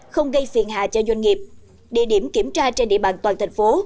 không gây phiền hà cho doanh nghiệp địa điểm kiểm tra trên địa bàn toàn thành phố